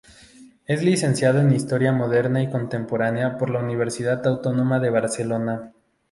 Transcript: Es licenciada en Historia Moderna y Contemporánea por la Universidad Autónoma de Barcelona.